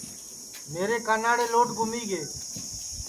میرے کاناڑے لوڈ گُمی گے